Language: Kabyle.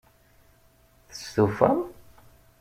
Testufam?